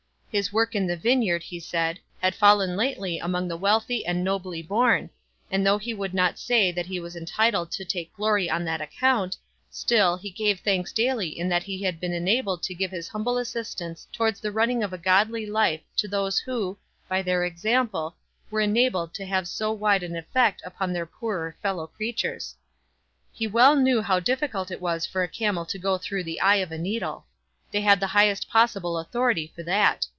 His work in the vineyard, he said, had fallen lately among the wealthy and nobly born; and though he would not say that he was entitled to take glory on that account, still he gave thanks daily in that he had been enabled to give his humble assistance towards the running of a godly life to those who, by their example, were enabled to have so wide an effect upon their poorer fellow creatures. He knew well how difficult it was for a camel to go through the eye of a needle. They had the highest possible authority for that.